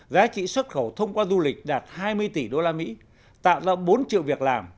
giá trị xuất khẩu thông qua du lịch đạt hai mươi tỷ usd tạo ra bốn triệu việc làm